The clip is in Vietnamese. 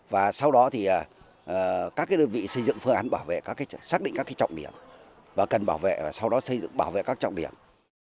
và sau đó các đơn vị xây dựng phương án xác định các trọng điểm và cần bảo vệ các trọng điểm